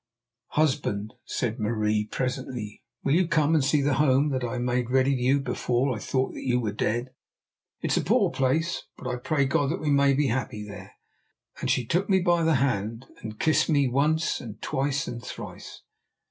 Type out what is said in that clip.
"Husband," said Marie presently, "will you come and see the home that I made ready for you before I thought that you were dead? It is a poor place, but I pray God that we may be happy there," and she took me by the hand and kissed me once and twice and thrice.